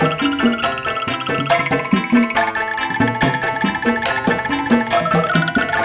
mami tunggu papi